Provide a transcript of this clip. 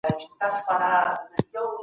سردار اکبرخان په ستراتیژیک پلان کې بریالی شو.